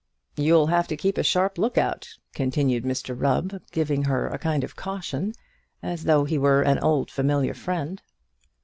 "You'll have to keep a sharp look out," continued Mr Rubb, giving her a kind caution, as though he were an old familiar friend.